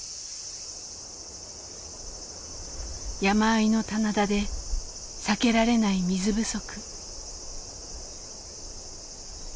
山あいの棚田で避けられない水不足。